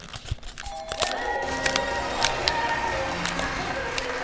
克服した。